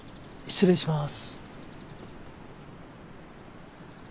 失礼します。